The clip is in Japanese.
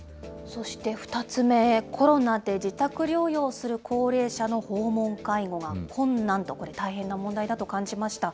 そして２つ目、コロナで自宅療養する高齢者の訪問介護が困難と、これ、大変な問題だと感じました。